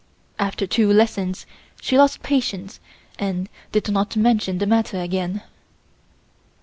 After two lessons she lost patience, and did not mention the matter again.